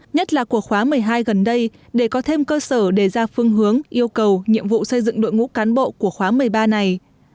nhất là của khóa một mươi hai gần đây để có thêm cơ sở để ra phương hướng yêu cầu nhiệm vụ xây dựng đội ngũ cán bộ của khóa một mươi ba này